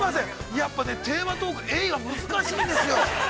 やっぱ、テーマトーク「エイ」はむずかしいんですよ。